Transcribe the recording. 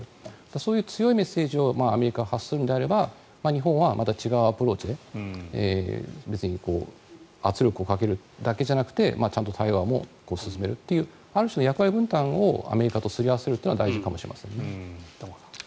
そういう強いメッセージをアメリカは発するのであれば日本はまた違うアプローチで別に圧力をかけるだけじゃなくてちゃんと対話も進めるというある種の役割分担をアメリカとすり合わせるのが大事かもしれませんね。